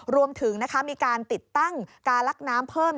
รวมถึงมีการติดตั้งการลักน้ำเพิ่ม